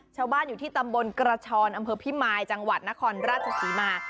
ชาวบ้านอยู่ที่ตำบลกระชอนอำเภอพิมายจังหวัดนครราชศรีมา